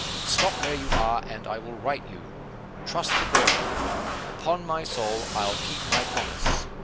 Stop where you are, and I will write you. Trust the bearer. Upon my soul, I'll keep my promise.